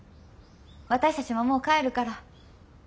私たちももう帰るから。